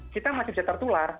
kita masih bisa tertular